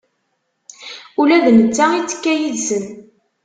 Ula d netta ittekka yid-sen.